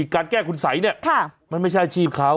การแก้คุณสัยเนี่ยมันไม่ใช่อาชีพเขา